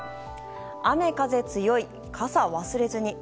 雨風強い、傘忘れずに。